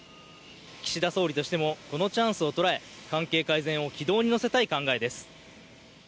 岸田総理としてもこのチャンスを捉え関係改善を軌道に乗せたい考えです。